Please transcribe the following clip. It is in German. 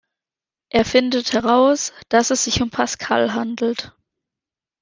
Er findet heraus, dass es sich um Pascal handelt.